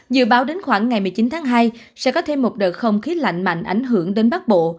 dự báo đến khoảng ngày một mươi chín tháng hai sẽ có thêm một đợt không khí lạnh mạnh ảnh hưởng đến bắc bộ